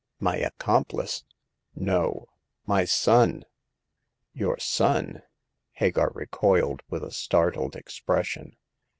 " My accomplice — no, my son !"" Your son !" Hagar recoiled, with a startled expression.